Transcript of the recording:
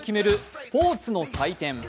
スポ−ツの祭典。